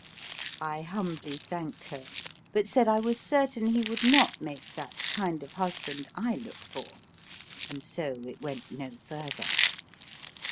I humbly thanked her, but said I was certain he would not make that kind of husband I looked for, and so it went no further.